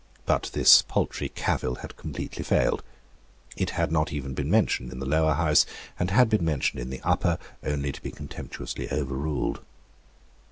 But this paltry cavil had completely failed. It had not even been mentioned in the Lower House, and had been mentioned in the Upper only to be contemptuously overruled.